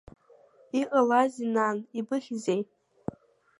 Иҟалазеи, нан, ибыхьзеи?